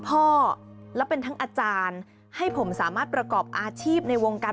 พ่อและเป็นทั้งอาจารย์ให้ผมสามารถประกอบอาชีพในวงการ